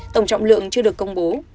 tổng trọng lượng chưa được công bố